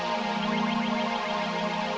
seseorang itu nggak yakin